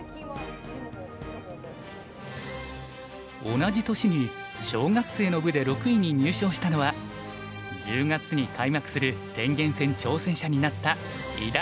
同じ年に小学生の部で６位に入賞したのは１０月に開幕する天元戦挑戦者になった伊田篤史さん。